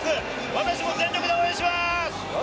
私も全力で応援します！